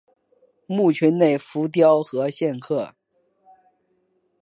墓群内有浮雕和线刻。